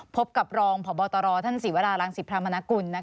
พบกับรองพบตรท่านศรีวรารังศิพรามนกุล